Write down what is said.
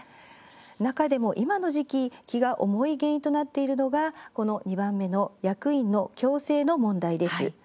中でも、今の時期気が重い原因となっているのが２番目の、役員の強制の問題です。